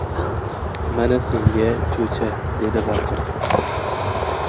— Mana senga «cho’cha!» — dedi baqirib.